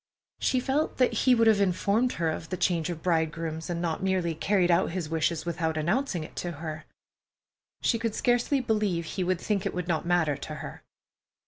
She felt that he would have informed her of the change of bridegrooms, and not merely carried out his wishes without announcing it to her. She could scarcely believe he could think it would not matter to her.